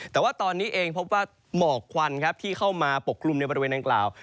แต่ว่าตอนนี้เองพบว่าหมอกควันครับที่เข้ามาปกกลุ่มในบริเวณดังกล่าว